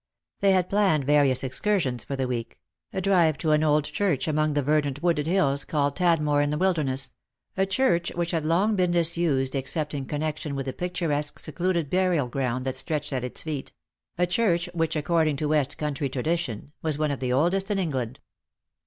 They had planned various excursions for the week — a drive to 134 Jk i; j._. r ,,. an old church among the verdant wooded hills, called Tadnioi in the Wilderness ; a church which had long been disused except in connection with the picturesque secluded burial ground that stretched at its feet ; a church which, according to west country tradition, was one of the oldest in England.